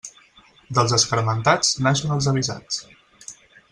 Dels escarmentats, naixen els avisats.